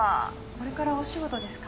これからお仕事ですか？